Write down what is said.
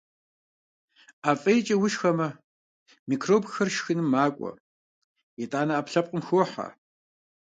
Ӏэ фӀейкӀэ ушхэмэ, микробхэр шхыным макӀуэ, итӀанэ Ӏэпкълъэпкъми хохьэ.